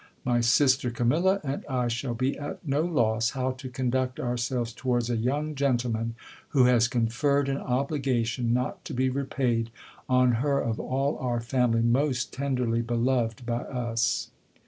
My sister Camilla and I shall be at no loss how to conduct ourselves towards a young gentleman who has conferred an obligation, not to be repaid, on her of all our family most tenderly beloved by us.